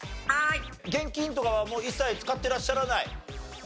現金とかはもう一切使ってらっしゃらない？